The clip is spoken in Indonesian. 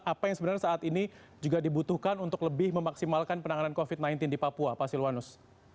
apa yang sebenarnya saat ini juga dibutuhkan untuk lebih memaksimalkan penanganan covid sembilan belas di papua pak silwanus